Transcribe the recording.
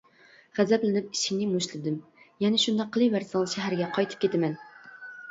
غەزەپلىنىپ ئىشىكنى مۇشتلىدىم، يەنە شۇنداق قىلىۋەرسىڭىز شەھەرگە قايتىپ كېتىمەن!